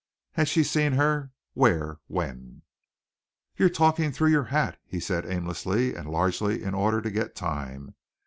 Had she seen her? Where? When? "You're talking through your hat," he said aimlessly and largely in order to get time.